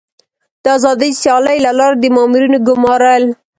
د آزادې سیالۍ له لارې د مامورینو ګمارل.